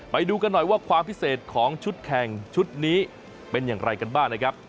ไปดูกันหน่อยว่าความพิเศษของชุดแข่งชุดนี้เป็นอย่างไรกันบ้างนะครับ